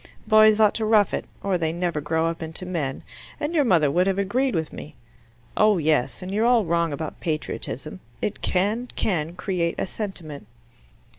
Boys ought to rough it, or they never grow up into men, and your mother would have agreed with me. Oh yes; and you're all wrong about patriotism. It can, can, create a sentiment."